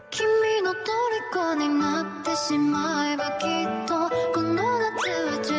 อ๋อเราเห็นเรายังยิ้มต่างเลยอ่ะ